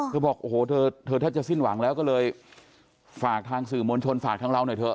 บอกโอ้โหเธอแทบจะสิ้นหวังแล้วก็เลยฝากทางสื่อมวลชนฝากทางเราหน่อยเถ